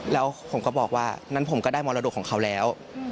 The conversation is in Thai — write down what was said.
แล้วผมก็บอกว่างั้นผมก็ได้มรดกของเขาแล้ว